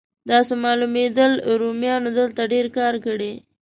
داسې معلومېدل رومیانو دلته ډېر کار کړی.